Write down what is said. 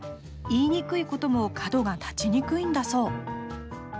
言いにくいことも角が立ちにくいんだそう。